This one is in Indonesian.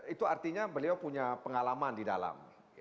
itu artinya beliau punya pengalaman di dalam